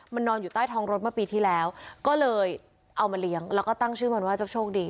มันนอนอยู่ใต้ท้องรถเมื่อปีที่แล้วก็เลยเอามาเลี้ยงแล้วก็ตั้งชื่อมันว่าเจ้าโชคดี